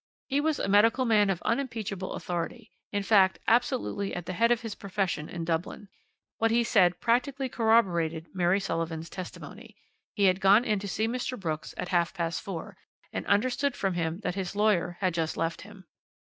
He was a medical man of unimpeachable authority, in fact, absolutely at the head of his profession in Dublin. What he said practically corroborated Mary Sullivan's testimony. He had gone in to see Mr. Brooks at half past four, and understood from him that his lawyer had just left him.